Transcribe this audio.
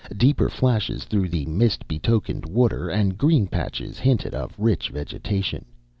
Deeper flashes through the mist betokened water, and green patches hinted of rich vegetation.